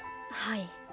はい。